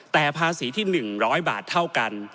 แต่ภาษีที่๑๐๐บาทเท่ากัน